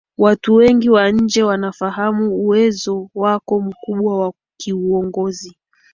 Watu wengi wa nje wanafahamu uwezo wake mkubwa wa kiuongozi